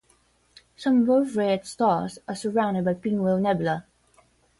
Some Wolf-Rayet stars are surrounded by pinwheel nebulae.